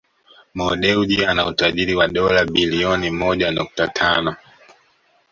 Mo Dewji ana utajiri wa dola bilioni moja nukta tano